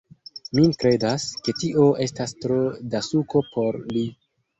Mi kredas, ke tio estas tro da suko por li